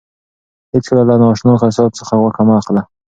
هیڅکله له نااشنا قصاب څخه غوښه مه اخله.